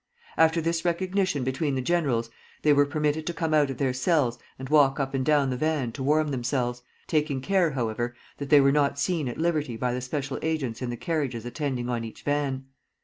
After this recognition between the generals, they were permitted to come out of their cells and walk up and down the van to warm themselves, taking care, however, that they were not seen at liberty by the special agents in the carriages attending on each van.